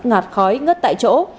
ngạt khói ngất tại chỗ